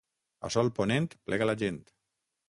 A sol ponent, plega la gent.